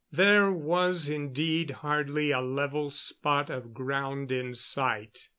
There was, indeed, hardly a level spot of ground in sight.